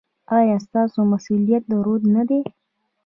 ایا ستاسو مسؤلیت دروند نه دی؟